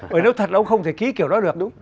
bởi nếu thật là ông không thể ký kiểu đó được đúng